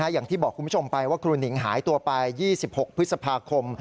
อย่างที่บอกคุณผู้ชมไปว่าครูหนิงหายตัวไป๒๖พฤษภาคม